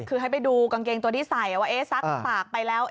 คือให้ไปดูกางเกงตัวที่ใส่ว่าซักปากไปแล้ว